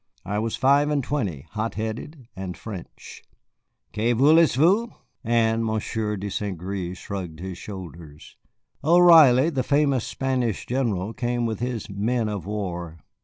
I was five and twenty, hot headed, and French. Que voulez vous?" and Monsieur de St. Gré shrugged his shoulders. "O'Reilly, the famous Spanish general, came with his men of war.